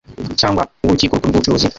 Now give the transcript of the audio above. cyangwa uw urukiko rukuru rw ubucuruzi ari